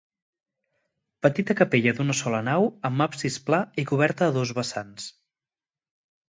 Petita capella d'una sola nau amb absis pla i coberta a dos vessants.